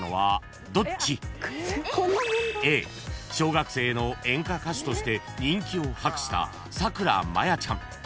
［Ａ小学生の演歌歌手として人気を博したさくらまやちゃん］